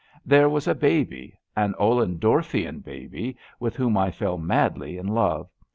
There was a baby — ^an OUendorfian baby — ^with whom I fell madly in love.